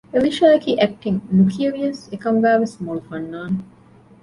އެލީޝާ އަކީ އެކްޓިން ނުކިޔެވިޔަސް އެކަމުގައިވެސް މޮޅު ފަންނާނެއް